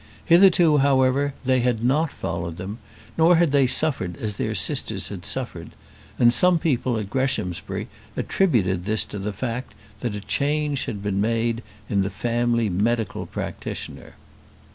Hitherto, however, they had not followed them, nor had they suffered as their sisters had suffered; and some people at Greshamsbury attributed this to the fact that a change had been made in the family medical practitioner.